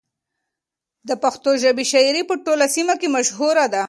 د پښتو ژبې شاعري په ټوله سیمه کې مشهوره ده.